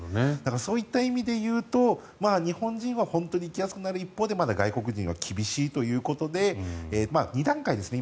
そういった意味で言うと日本人は本当に行きやすくなる一方でまだ外国人は厳しいということで２段階ですね。